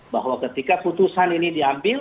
bahwa ketika putusan ini diambil